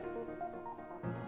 saya kepikiran ini terus soalnya ren